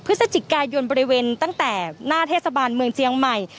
พฤศจิกายนบริเวณตั้งแต่หน้าเทศบาลเมืองเจียงใหม่